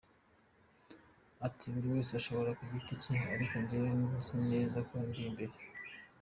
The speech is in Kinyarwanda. Ati “Buri wese ashobora ku giti cye ariko njyewe nzi neza ko ndi imbere.